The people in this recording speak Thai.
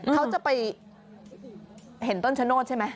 เขาจะไปเห็นต้นชะโนธใช่ไหม